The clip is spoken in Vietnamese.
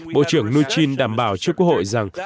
bộ trưởng mnuchin đảm bảo trước quốc hội rằng